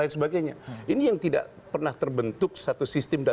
dan kawan kawan sudah sangat terbuka menerima